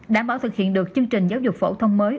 đảm bảo thực hiện được chương trình giáo dục phổ thông mới